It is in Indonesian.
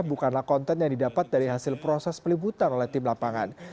bukanlah konten yang didapat dari hasil proses peliputan oleh tim lapangan